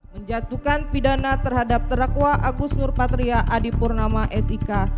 menjatuhkan pidana terhadap terakwa agus nurpatria adipurnama s i k